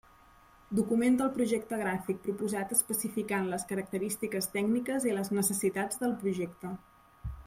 Documenta el projecte gràfic proposat especificant les característiques tècniques i les necessitats del projecte.